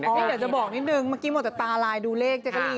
เดี๋ยวจะบอกนิดเนินเมื่อกี้เมื่อกี้มาตั้งแต่ตาไลน์ดูเลข